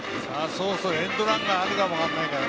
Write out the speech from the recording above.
そろそろエンドランがあるかもしれないから。